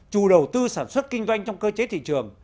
chủ đầu tư sản xuất kinh doanh trong cơ chế thị trường